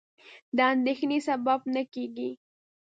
د اندېښنې سبب نه کېږي.